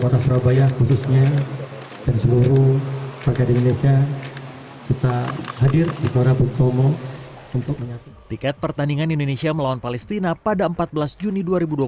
tiket pertandingan indonesia melawan palestina pada empat belas juni dua ribu dua puluh tiga